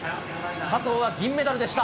佐藤は銀メダルでした。